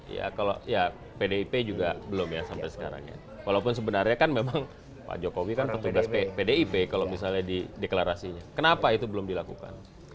ya kalau ya pdip juga belum ya sampai sekarang ya walaupun sebenarnya kan memang pak jokowi kan petugas pdip kalau misalnya di deklarasinya kenapa itu belum dilakukan